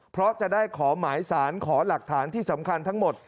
เพราะจะได้ขอหมายสารขอหลักฐานที่สำคัญทั้งหมด